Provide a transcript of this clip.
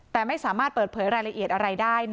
แต่ไม่สามารถเปิดเผยรายละเอียดอะไรได้